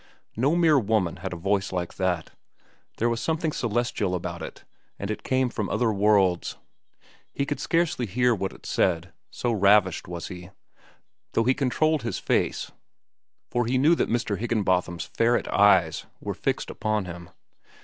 No mere woman had a voice like that. There was something celestial about it, and it came from other worlds. He could scarcely hear what it said, so ravished was he, though he controlled his face, for he knew that Mr. Higginbotham's ferret eyes were fixed upon him.